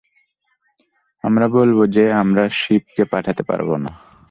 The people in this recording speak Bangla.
আমরা বলব যে আমরা শিবকে পাঠাতে পারব না।